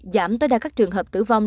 giảm tới đa các trường hợp tử vong